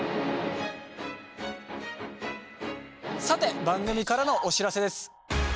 さて番組からのお知らせです。